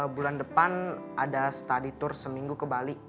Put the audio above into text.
bulan depan ada study tour seminggu ke bali